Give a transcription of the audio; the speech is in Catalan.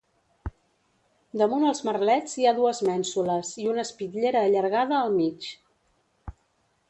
Damunt els merlets hi ha dues mènsules i una espitllera allargada al mig.